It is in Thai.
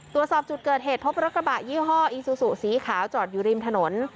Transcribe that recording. ตรวจสอบจุดเกิดเหตุพบรถกระบะยี่ห้ออีซูซูสีขาวจอดอยู่ริมถนน